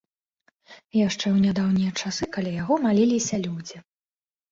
Яшчэ ў нядаўнія часы каля яго маліліся людзі.